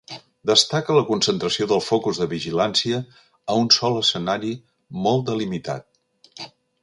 Destaca la concentració del focus de vigilància a un sol escenari molt delimitat.